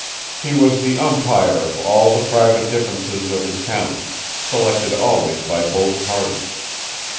He was the umpire of all the private differences of his county, selected always by both parties.